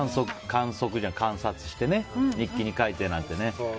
観察してね日記に描いてなんてね。